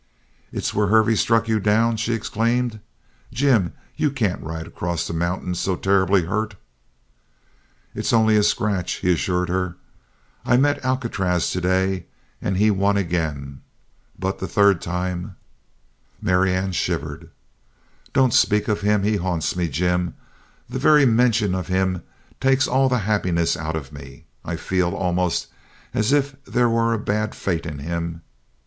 "It's where Hervey struck you down!" she exclaimed. "Jim, you can't ride across the mountains so terribly hurt " "It's only a scratch," he assured her. "I met Alcatraz to day, and he won again! But the third time " Marianne shivered. "Don't speak of him! He haunts me, Jim. The very mention of him takes all the happiness out of me. I feel almost as if there were a bad fate in him.